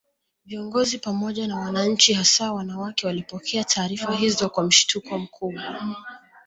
Viongozi pamoja na wananchi hasa wanawake walipokea taarifa hizo kwa mshtuko mkubwa